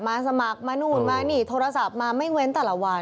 สมัครมานู่นมานี่โทรศัพท์มาไม่เว้นแต่ละวัน